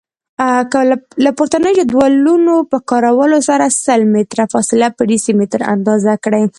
له پورتنیو جدولونو په کارولو سره سل متره فاصله په ډیسي متره اندازه کړئ.